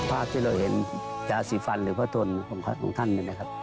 ภาพที่เราเห็นยาสีฟันหรือพะทนของท่านนี่นะครับ